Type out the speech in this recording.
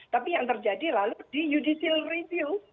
tapi yang terjadi lalu di judicial review